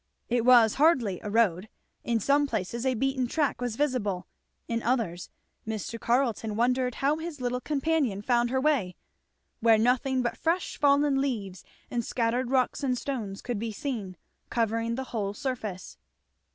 It was hardly a road; in some places a beaten track was visible, in others Mr. Carleton wondered how his little companion found her way, where nothing but fresh fallen leaves and scattered rocks and stones could be seen, covering the whole surface.